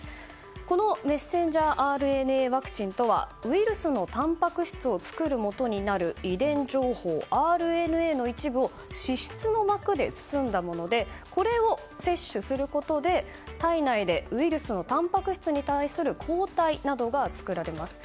このメッセンジャーＲＮＡワクチンはウイルスのたんぱく質のもとになるＲＮＡの一部を脂質の膜で包んだものでこれを摂取することで、体内でウイルスのたんぱく質に対する抗体などが作られます。